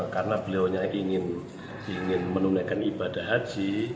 karena beliau ingin menunekan ibadah haji